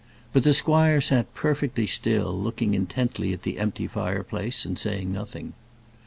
But the squire sat perfectly still, looking intently at the empty fireplace and saying nothing.